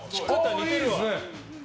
いいですね。